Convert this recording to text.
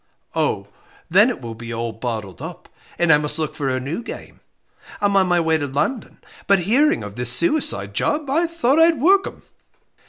"Oh, then it will be all bottled up and I must look for a new game. I'm on my way to London, but hearing of this suicide job, I thought I'd work 'em."